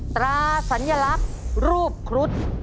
ตราสัญลักษณ์รูปครุฑ